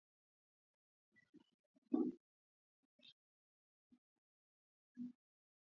Wanajeshi tisa walioshtakiwa ni pamoja na lutein kanali na mameja watatu